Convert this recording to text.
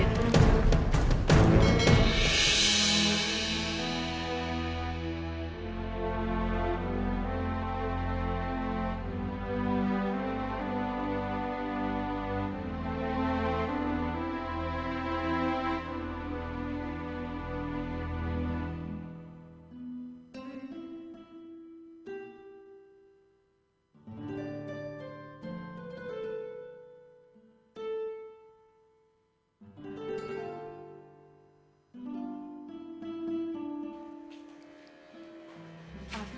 gak ada apa apa